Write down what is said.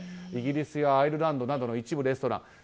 イギリスやアイルランドなどの一部レストラン。